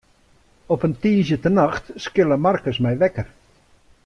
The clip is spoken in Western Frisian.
Op in tiisdeitenacht skille Markus my wekker.